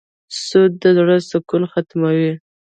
سود د زړه سکون ختموي.